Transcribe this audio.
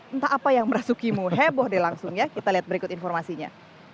entah apa yang merasukimu heboh deh langsung ya kita lihat berikut informasinya